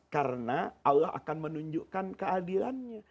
karena allah akan menunjukkan keadilannya